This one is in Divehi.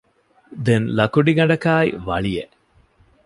ދެން ލަކުޑިގަނޑަކާއި ވަޅިއެއް